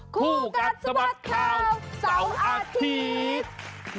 ผู้กันสบัติข่าว๒อาทิตย์